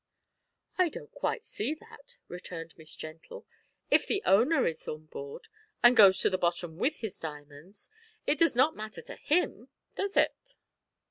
"I don't quite see that," returned Miss Gentle. "If the owner is on board, and goes to the bottom with his diamonds, it does not matter to him, does it?"